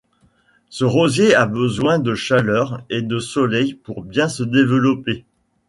Ce rosier a besoin de chaleur et de soleil pour bien se développer.